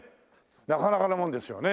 なかなかなもんですよね。